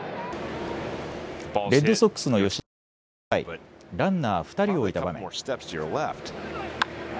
レッドソックスの吉田は４回、ランナー２人を置いた場面。